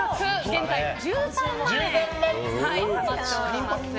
現在１３万円となっております。